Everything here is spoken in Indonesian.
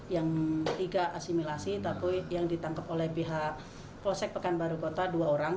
yang tiga asimilasi tapi yang ditangkap oleh pihak polsek pekanbaru kota dua orang